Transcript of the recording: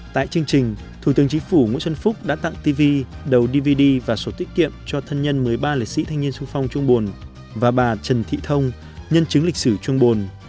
tại chương trình thủ tướng chính phủ nguyễn xuân phúc đã tặng tv đầu dvd và sổ tiết kiệm cho thân nhân một mươi ba lịch sĩ thanh niên sung phong trung bồn và bà trần thị thông nhân chứng lịch sử trung bồn